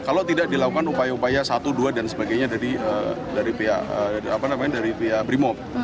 kalau tidak dilakukan upaya upaya satu dua dan sebagainya dari pihak brimob